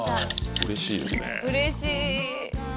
うれしい。